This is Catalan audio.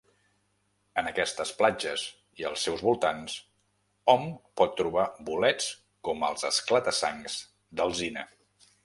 En aquestes platges i els seus voltants hom pot trobar bolets com els esclata-sangs d'alzina.